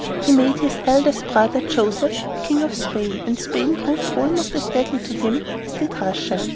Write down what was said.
He made his eldest brother, Joseph, King of Spain, and Spain proved almost as deadly to him as did Russia.